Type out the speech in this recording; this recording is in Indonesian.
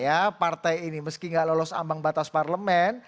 ya partai ini meski tidak lolos ambang batas parlemen